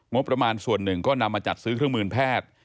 งบประมาณส่วนหนึ่งก็นำมาจัดซื้อเครื่องมือแพทย์